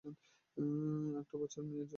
একটা বাচ্চা মেয়ের জীবনের বিনিময়ে!